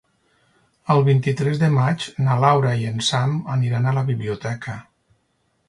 El vint-i-tres de maig na Laura i en Sam aniran a la biblioteca.